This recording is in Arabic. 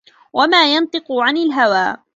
وَما يَنطِقُ عَنِ الهَوى